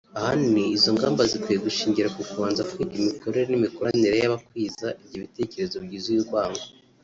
Ahanini izo ngamba zikwiye gushingira ku kubanza kwiga imikorere n’imikoranire y’abakwiza ibyo bitekerezo byuzuye urwango